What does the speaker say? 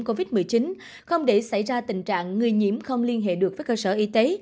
covid một mươi chín không để xảy ra tình trạng người nhiễm không liên hệ được với cơ sở y tế